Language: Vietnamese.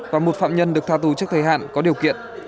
và một phạm nhân được tha tù trước thời hạn có điều kiện